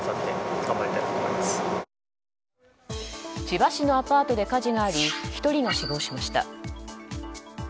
千葉市のアパートで火事があり１人が死亡しました。